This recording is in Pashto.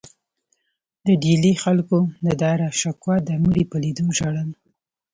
د ډیلي خلکو د داراشکوه د مړي په لیدو ژړل.